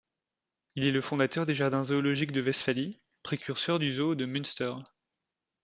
Il est le fondateur des jardins zoologiques de Westphalie, précurseurs du Zoo de Münster.